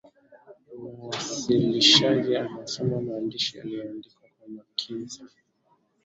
muwasilishaji anasoma maandishi yaliyoandikwa kwa makini sana